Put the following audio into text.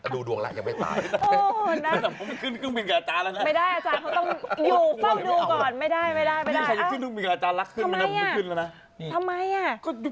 ดูดวงแล้วยังไม่ตาย